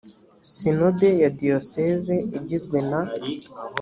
sinode ya diyoseze igizwe na